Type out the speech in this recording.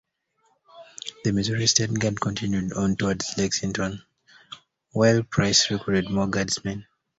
The Missouri State Guard continued on towards Lexington, while Price recruited more guardsmen.